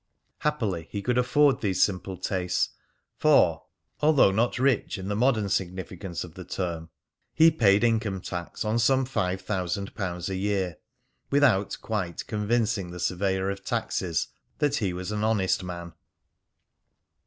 Happily he could afford these simple tastes; for, although not rich in the modern significance of the term, he paid income tax on some five thousand pounds a year, without quite convincing the Surveyor of Taxes that he was an honest man.